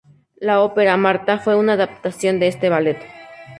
La ópera "Martha" fue una adaptación de este ballet.